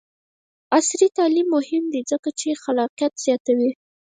عصري تعلیم مهم دی ځکه چې خلاقیت زیاتوي.